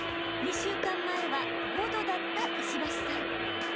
２週間前は５度だった石橋さん。